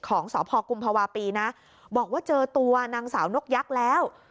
ของสพกุมภาวะปีนะบอกว่าเจอตัวนางสาวนกยักษ์แล้ว